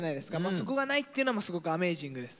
そこがないっていうのはすごくアメージングです